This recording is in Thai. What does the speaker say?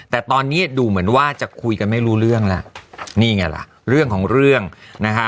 แต่ตอนนี้ดูเหมือนว่าจะคุยกันไม่รู้เรื่องแล้วนี่ไงล่ะเรื่องของเรื่องนะฮะ